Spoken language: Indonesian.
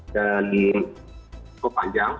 dan cukup panjang